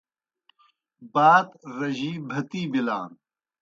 بات رجِی بھتِی بِلان۔